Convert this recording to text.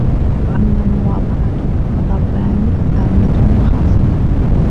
وَأَمَّا الْمُوَاضَعَةُ فَضَرْبَانِ عَامَّةٌ وَخَاصَّةٌ